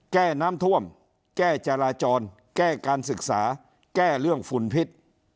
แก้น้ำท่วมแก้จราจรแก้การศึกษาแก้เรื่องฝุ่นพิษ